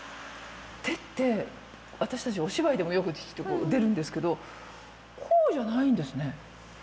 手って私たちお芝居でもよく出るんですけどこうじゃないんですね。